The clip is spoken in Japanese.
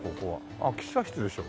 あっ喫茶室ですよ。